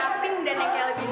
kenang kenang udah disiapin